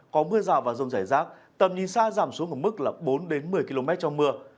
có mưa rào và rông rải rác tầm nhìn xa giảm xuống ở mức bốn một mươi km trong mưa